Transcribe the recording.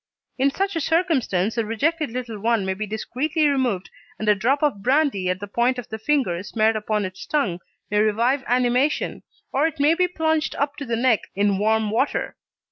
In such a circumstance the rejected little one may be discreetly removed, and a drop of brandy on the point of the finger smeared upon its tongue may revive animation, or it may be plunged up to the neck in warm water.